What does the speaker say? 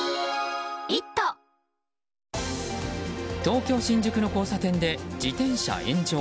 東京・新宿の交差点で自転車炎上。